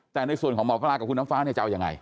แต่ในส่วนของหมอปลากับคุณน้ำฟ้าเนี่ยจะเอายังไง